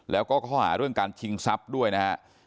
แล้วก็ข้อหาเรื่องการชิงทรัพย์ด้วยนะฮะ